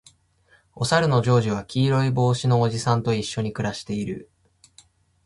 おさるのジョージは黄色の帽子のおじさんと一緒に暮らしている